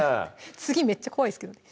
次めっちゃ怖いですけどね